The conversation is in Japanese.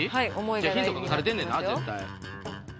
じゃあヒントが隠されてんねんな絶対。